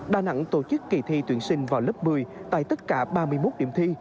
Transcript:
đà nẵng tổ chức kỳ thi tuyển sinh vào lớp một mươi tại tất cả ba mươi một điểm thi